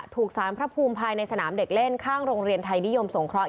ถูกสารพระภูมิภายในสนามเด็กเล่นข้างโรงเรียนไทยนิยมสงเคราะห